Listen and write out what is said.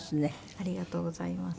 ありがとうございます。